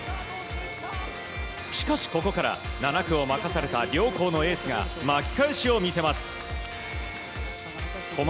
しかし、ここから７区を任された両校のエースが巻き返しを見せます。